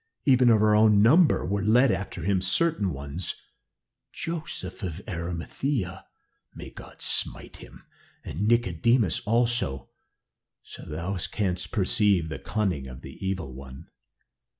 Even of our own number were led after him certain ones Joseph of Arimathea may God smite him, and Nicodemus also, so thou canst perceive the cunning of the Evil One.